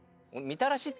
みたらしだ。